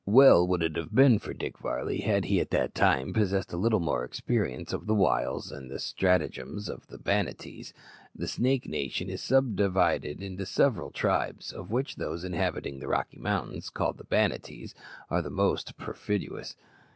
Well would it have been for Dick Varley had he at that time possessed a little more experience of the wiles and stratagems of the Banattees. The Snake nation is subdivided into several tribes, of which those inhabiting the Rocky Mountains, called the Banattees, are the most perfidious.